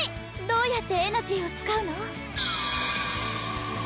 どうやってエナジーを使うの？